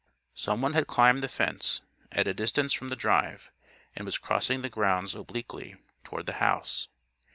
Someone had climbed the fence, at a distance from the drive, and was crossing the grounds, obliquely, toward the house.